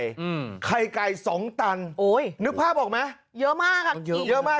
อืมไข่ไก่สองตันโอ้ยนึกภาพออกไหมเยอะมากอ่ะเยอะมาก